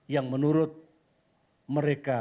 yang menurut mereka